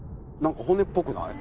骨っぽくない？